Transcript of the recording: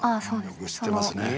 よく知ってますね。